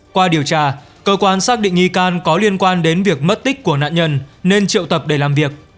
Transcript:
qua điều tra cơ quan xác định nghi can có liên quan đến việc mất tích của nạn nhân nên triệu tập để làm việc